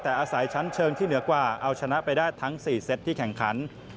แต่อาศัยชั้นเชิงที่เหนือกว่าเอาชนะไปได้ทั้ง๔เซตที่แข่งขัน